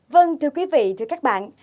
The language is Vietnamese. vâng thưa quý vị thưa các bạn